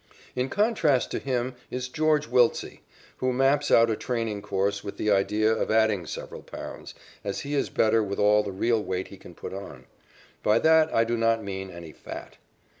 In contrast to him is George Wiltse, who maps out a training course with the idea of adding several pounds, as he is better with all the real weight he can put on. By that I do not mean any fat.